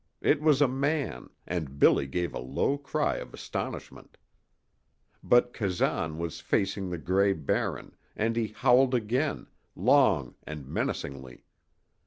It was a man, and Billy gave a low cry of astonishment. But Kazan was facing the gray Barren, and he howled again, long and menacingly.